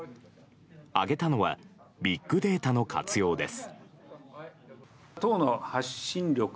挙げたのはビッグデータの活用です。